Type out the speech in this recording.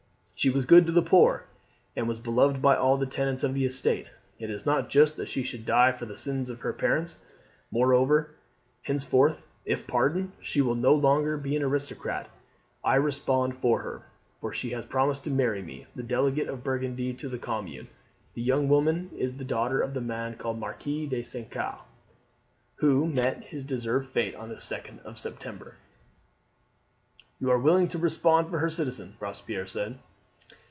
She was good to the poor, and was beloved by all the tenants on the estate. It is not just that she should die for the sins of her parents. Moreover, henceforth, if pardoned, she will be no longer an aristocrat. I respond for her; for she has promised to marry me, the delegate of Burgundy to the Commune. The young woman is the daughter of the man called the Marquis de St. Caux, who met his deserved fate on the 2d of September." "You are willing to respond for her, citizen?" Robespierre said.